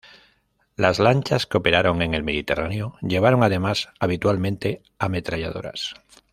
Las lanchas que operaron en el Mediterráneo llevaron además habitualmente ametralladoras.